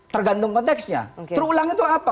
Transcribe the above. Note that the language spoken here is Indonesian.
tergantung konteksnya terulang itu apa